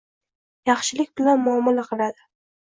Yaxshilik bilan muomala qiladi.